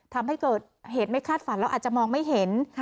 ทำให้เกิดเหตุไม่คาดฝันแล้วอาจจะมองไม่เห็น